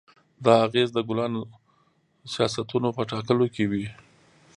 دا اغېز د کلانو سیاستونو په ټاکلو کې وي.